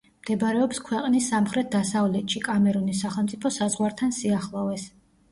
მდებარეობს ქვეყნის სამხრეთ-დასავლეთში, კამერუნის სახელმწიფო საზღვართან სიახლოვეს.